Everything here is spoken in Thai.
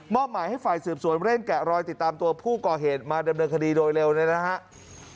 หมายให้ฝ่ายสืบสวนเร่งแกะรอยติดตามตัวผู้ก่อเหตุมาดำเนินคดีโดยเร็วเลยนะครับ